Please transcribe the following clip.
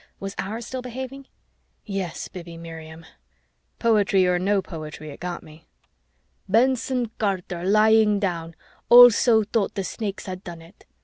(Was ours still behaving? Yes, Bibi Miriam.) Poetry or no poetry, it got me. "Benson Carter, lying dying, also thought the Snakes had done it.